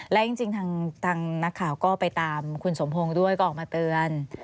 และจริงทางนักข่าวก็ไปตามคุณสมพงศ์ด้วยก็ออกมาเตือน